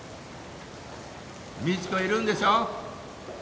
未知子いるんでしょ？